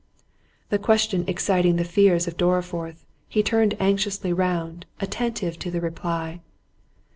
This question exciting the fears of Dorriforth, he turned anxiously round, attentive to the reply.